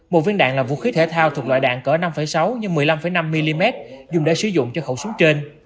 một viên đạn là vũ khí thể thao thuộc loại đạn cỡ năm sáu x một mươi năm năm mm dùng để sử dụng cho khẩu súng trên